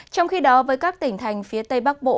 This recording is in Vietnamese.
trong khi đó với các tỉnh thành phía tây bắc bộ